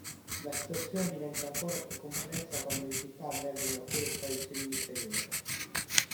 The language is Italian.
La situazione diventa ancora più complessa quando in città avvengono alcune sparizioni misteriose.